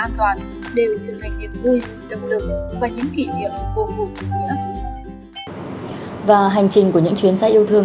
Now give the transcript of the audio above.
nhưng những thành viên của chuyến xe yêu thương